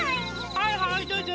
はいはいどうぞ。